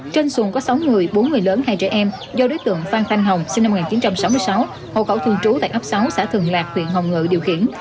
trên xuồng có sáu người bốn người lớn hai trẻ em do đối tượng phan thanh hồng sinh năm một nghìn chín trăm sáu mươi sáu hồ cậu thương trú tại ấp sáu xã thường lạc huyện hồng ngự điều khiển